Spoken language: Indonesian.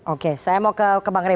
oke saya mau ke bang rey